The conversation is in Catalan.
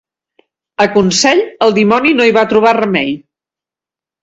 A Consell el dimoni no hi va trobar remei.